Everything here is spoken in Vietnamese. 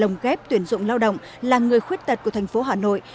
đồng ghép tuyển dụng lao động là người khuyết tật của thành phố hà nội